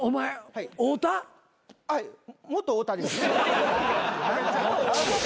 はい元太田です。